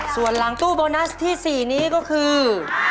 ส่วนหลังตู้โบนัสที่๔นี้ก็คือ